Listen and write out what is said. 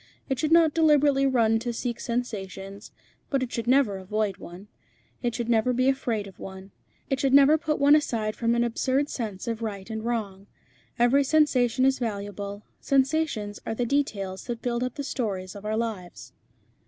It should not deliberately run to seek sensations, but it should never avoid one; it should never be afraid of one; it should never put one aside from an absurd sense of right and wrong. Every sensation is valuable. Sensations are the details that build up the stories of our lives."